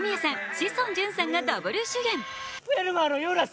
志尊淳さんがダブル主演。